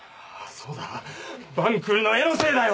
そうだ晩来の絵のせいだよ！